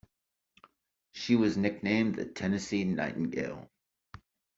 She was nicknamed the Tennessee Nightingale.